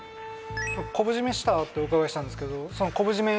昆布締めしたってお伺いしたんですけど昆布締め